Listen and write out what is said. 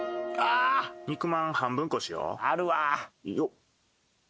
よっ。